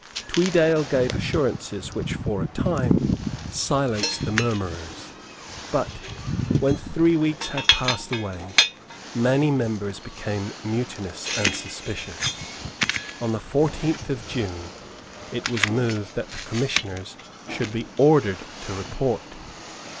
Tweedale gave assurances which, for a time, silenced the murmurers. But, when three weeks had passed away, many members became mutinous and suspicious. On the fourteenth of June it was moved that the Commissioners should be ordered to report.